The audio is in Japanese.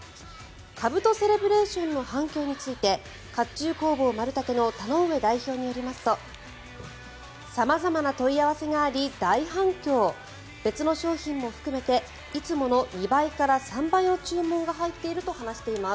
かぶとセレブレーションの反響について甲冑工房丸武の田ノ上代表によりますと様々な問い合わせがあり、大反響別の商品も含めていつもの２倍から３倍の注文が入っていると話しています。